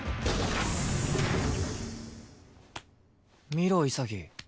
見ろ潔。